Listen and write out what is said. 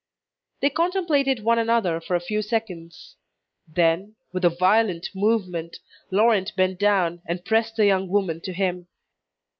They contemplated one another for a few seconds. Then, with a violent movement, Laurent bent down, and pressed the young woman to him.